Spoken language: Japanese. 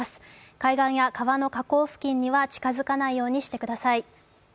海岸や川の河口付近には近づかないようにしてください。